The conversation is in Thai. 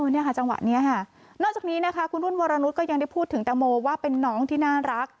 นอกจากนี้คุณวรนุษย์ก็ยังได้พูดถึงแตงโมว่าเป็นน้องที่น่ารัก